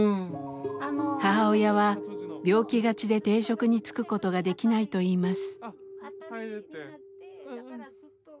母親は病気がちで定職に就くことができないといいます。